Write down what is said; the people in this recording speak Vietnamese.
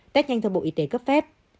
test nhanh do bộ y tế cấp phép